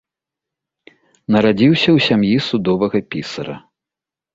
Нарадзіўся ў сям'і судовага пісара.